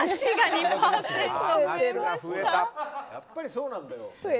やっぱりそうなんだよ。